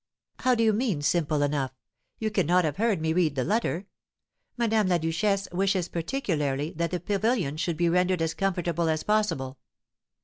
"How do you mean, simple enough? you cannot have heard me read the letter. Madame la Duchesse wishes particularly 'that the pavilion should be rendered as comfortable as possible.'